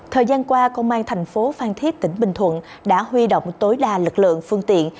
thời gian qua công an thành phố phan thiết tỉnh bình thuận đã huy động tối đa lực lượng phương tiện